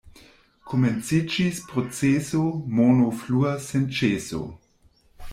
Komenciĝis proceso, mono fluas sen ĉeso.